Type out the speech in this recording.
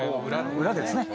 裏ですね。